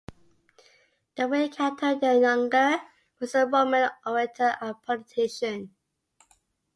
The real Cato the Younger was a Roman orator and politician.